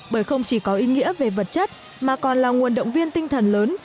bởi không chỉ có ý nghĩa về vật chất mà còn là nguồn động viên tinh thần lớn